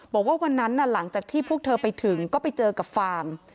บอกว่าวันนั้นหลังจากที่พวกเธอไปถึงก็ไปเจอกับฟาง